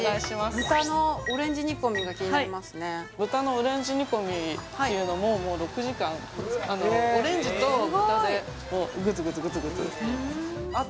豚のオレンジ煮込みというのももう６時間オレンジと豚でグツグツグツグツあと？